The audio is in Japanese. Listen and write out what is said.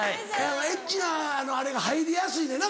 エッチなあれが入りやすいねんな